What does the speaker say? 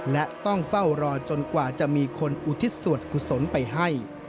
และต้องเฝ้ารอจนกว่าจะมีคนอุทิศส่วนกุศลไปให้